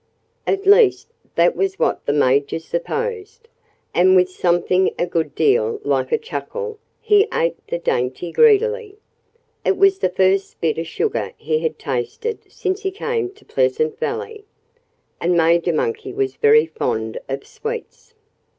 At least, that was what the Major supposed. And with something a good deal like a chuckle he ate the dainty greedily. It was the first bit of sugar he had tasted since he came to Pleasant Valley. And Major Monkey was very fond of sweets.